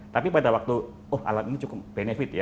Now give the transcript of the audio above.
tapi pada waktu oh alat ini cukup benefit ya